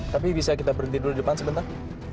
tapi bisa kita berdiri dulu depan sebentar